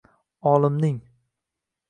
olimning